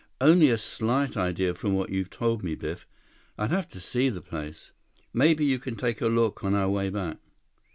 "Only a slight idea from what you've told me, Biff. I'd have to see the place." "Maybe you can take a look on our way back."